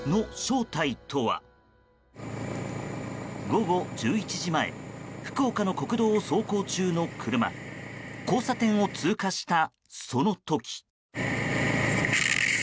午後１１時前福岡の国道を走行中の車交差点を通過した、その時。